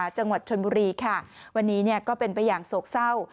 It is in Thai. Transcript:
จังหวัดชนบุรีค่ะวันนี้ก็เป็นไปอย่างโศกเศร้า